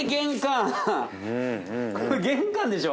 ここ玄関でしょ？